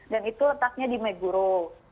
dan itu letaknya di meguro